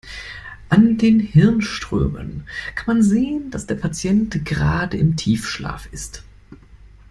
An den Hirnströmen kann man sehen, dass der Patient gerade im Tiefschlaf ist.